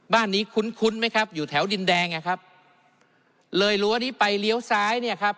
บ้านนี้คุ้นคุ้นไหมครับอยู่แถวดินแดงอ่ะครับเลยรั้วนี้ไปเลี้ยวซ้ายเนี่ยครับ